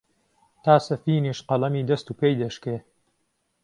تا سەفینیش قەڵەمی دەست و پێی دەشکێ،